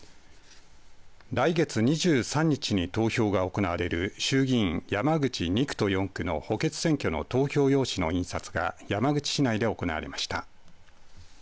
来月２３日に投票が行われる衆議院山口２区と４区の補欠選挙の投票用紙の印刷が山口市内で行われました。